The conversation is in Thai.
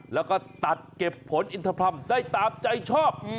แล้วก็ตัดเก็บผลอินทพรรมได้ตามใจชอบ